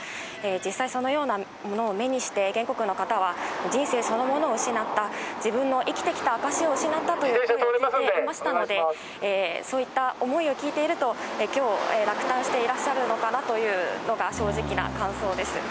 実際、そのようなものを目にして、原告の方は、人生そのものを失った、自分の生きてきた証しを失ったと言っていましたので、そういった思いを聞いていると、きょう、落胆していらっしゃるのかなというのが、正直な感想です。